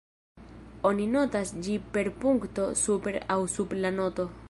Oni notas ĝi per punkto super aŭ sub la noto.